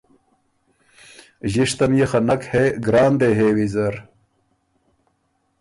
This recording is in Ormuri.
ݫِشتم يې خه نک هې ګران دې هې ویزر